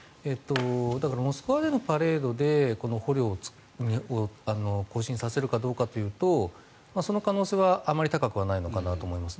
だからモスクワでのパレードで捕虜を行進させるかどうかというとその可能性はあまり高くはないのかなと思います。